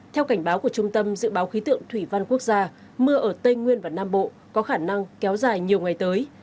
theo cảnh báo của trung tâm dự báo khí tượng thủy văn quốc gia mưa ở tây nguyên và nam bộ có khả năng kéo dài nhiều ngày tới